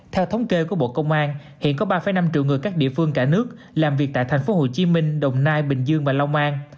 theo thống kê của bộ công an hiện có ba năm triệu người các địa phương cả nước làm việc tại thành phố hồ chí minh đồng nai bình dương và long an